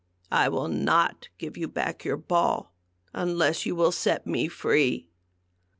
I will not give you back your ball unless you will set me free."